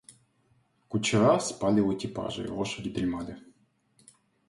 Кучера спали у экипажей, лошади дремали.